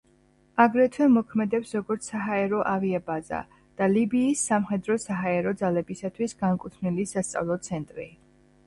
აგრეთვე მოქმედებს როგორც საჰაერო ავიაბაზა და ლიბიის სამხედრო-საჰაერო ძალებისათვის განკუთვნილი სასწავლო ცენტრი.